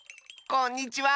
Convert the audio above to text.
こんにちは！